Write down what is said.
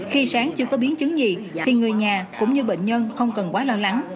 khi sáng chưa có biến chứng gì thì người nhà cũng như bệnh nhân không cần quá lo lắng